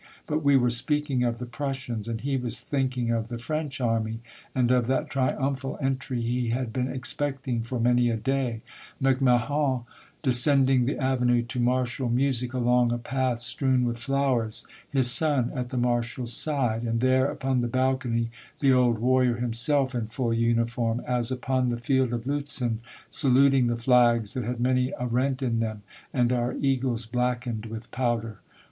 But we were speaking of the Prussians, and he was thinking of the French army, and of that triumphal entry he had been expecting for many a day, — MacMahon descending the avenue to martial music, along a path strewn with flowers, his son at the marshal's side, and there upori the balcony, the old warrior himself in full uniform, as upon the field of Lutzen, saluting the \ The Siege of Berlin. 51 flags that had many a rent in them, and our eagles blackened with powder.